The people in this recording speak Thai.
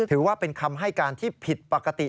ถือว่าเป็นคำให้การที่ผิดปกติ